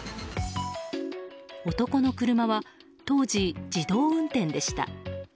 男の車は当時、自動運転でした。